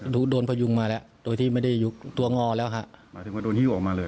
โดนพยุงมาแล้วโดยที่ไม่ได้ยุบตัวงอแล้วค่ะหมายถึงว่าโดนฮิ้วออกมาเลย